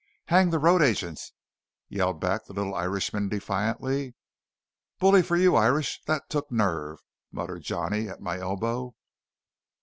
"Hang the road agents!" yelled back the little Irishman defiantly. "Bully for you, Irish; that took nerve!" muttered Johnny, at my elbow.